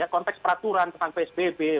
konteks peraturan tentang psbb